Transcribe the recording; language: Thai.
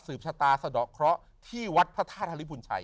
สืบชาตาเสดอเคราะห์ที่วัดพระธ้าธริพุนไชร์